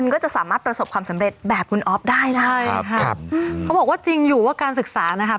เขาบอกว่าจริงอยู่ว่าการศึกษานะครับ